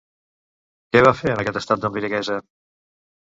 Què va fer en aquest estat d'embriaguesa?